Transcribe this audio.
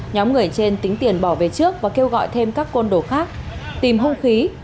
nhóm người trên tính tiền bỏ về trước và kêu gọi thêm các công đổ khác tìm hung khí